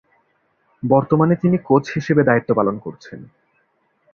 বর্তমানে তিনি কোচ হিসেবে দায়িত্ব পালন করছেন।